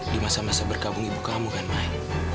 di masa masa berkabung ibu kamu kan main